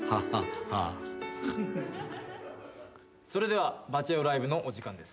それではバチェ男ライブのお時間です。